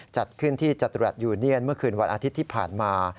จัดขึ้นที่จตุรัสยูเนียนเมื่อคืนวันอาทิตย์ที่ผ่านมา